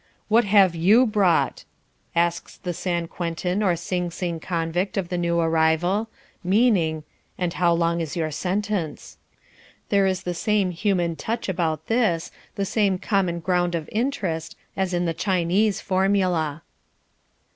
"What have YOU brought?" asks the San Quentin or Sing Sing convict of the new arrival, meaning, "And how long is your sentence?" There is the same human touch about this, the same common ground of interest, as in the Chinese formula.